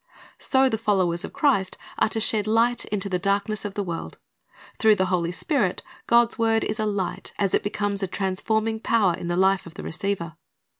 So the followers of Christ are to shed light into the darkness of the world. Through the Holy Spirit, God's word is a light as it becomes a transforming power in the life of the receiver.